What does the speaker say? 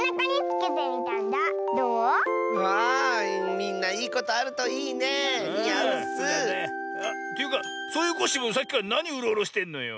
あみんないいことあるといいね！にあうッス！というかそういうコッシーもさっきからなにうろうろしてんのよ。